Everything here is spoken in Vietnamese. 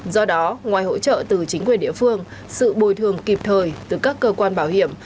do đó ngoài hỗ trợ từ chính quyền địa phương sự bồi thường kịp thời từ các cơ quan bảo hiểm